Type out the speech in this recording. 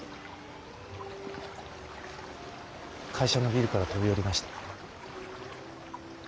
会社のビルから飛び降りました。